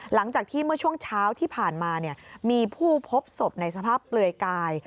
หลังจากที่เมื่อช่วงเช้าที่ผ่านมามีผู้พบศพในสภาพเปลือยกาย